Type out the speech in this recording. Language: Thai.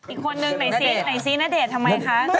อีกควันนึงไหนซิไหนซินาเดชทำไมคะ